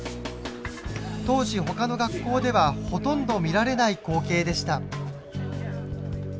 当時ほかの学校ではほとんど見られない光景でした。